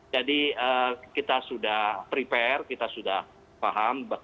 jadi kita sudah prepare kita sudah paham